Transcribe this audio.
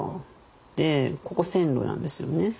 でここ線路なんですよね。